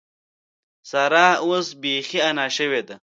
سارا اوس بېخي انا شوې ده.